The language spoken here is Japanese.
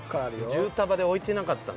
十束で置いてなかったん？